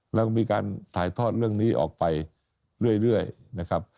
แล้วก็มีการถ่ายทอดเรื่องนี้ออกไปเรื่อยนะครับ